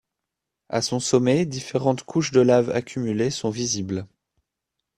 À son sommet, différentes couches de lave accumulées sont visibles.